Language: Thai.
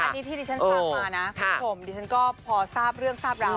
อันนี้ที่ดิฉันฟังมานะผมก็พอทราบเรื่องทราบราว